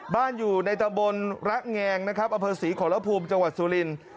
บ้านอยู่ในตะบนรักแงงอศรีโขระภูมิจังหวัดสุริน